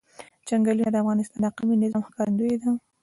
چنګلونه د افغانستان د اقلیمي نظام ښکارندوی ده.